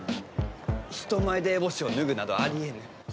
人前で烏帽子を脱ぐなどありえぬ。